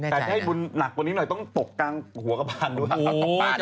แต่ถ้าให้บุญหนักกว่านี้หน่อยต้องตกกลางหัวกระพานด้วย